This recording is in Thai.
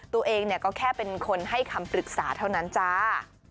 ตัวเองก็แค่เป็นคนให้คำปรึกษาเท่านั้นจ้า